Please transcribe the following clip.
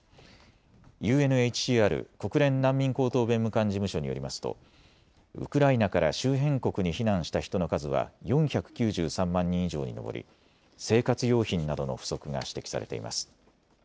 ＵＮＨＣＲ・国連難民高等弁務官事務所によりますとウクライナから周辺国に避難した人の数は４９３万人以上に上り生活用品などの不足が指摘されています。